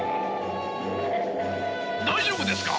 大丈夫ですか？